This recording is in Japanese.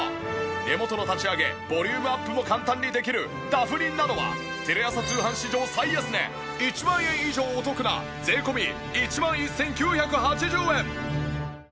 根元の立ち上げボリュームアップも簡単にできるダフニｎａｎｏはテレ朝通販史上最安値１万円以上お得な税込１万１９８０円。